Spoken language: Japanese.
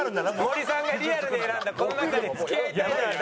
森さんがリアルに選んだこの中で付き合いたいのは誰？